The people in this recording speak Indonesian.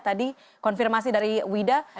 tadi konfirmasi dari wida